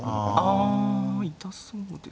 あ痛そうですね。